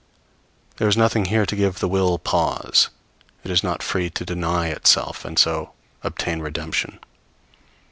There is nothing here to give the will pause; it is not free to deny itself and so obtain redemption.